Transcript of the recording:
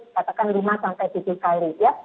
katakan rumah sampai sisil kairis ya